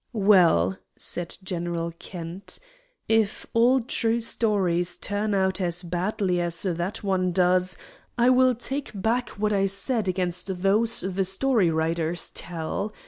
"Well," said General Kent, "if all true stories turn out as badly as that one does, I will take back what I said against those the story writers tell.